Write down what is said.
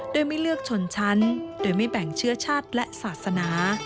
โดยไม่เลือกชนชั้นโดยไม่แบ่งเชื้อชาติและศาสนา